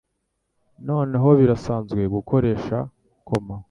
noneho birasanzwe gukoresha koma